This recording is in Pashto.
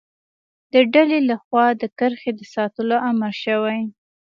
د ډلې له خوا د کرښې د ساتلو امر شوی.